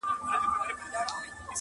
غلیم کور په کور حلوا وېشل پښتونه,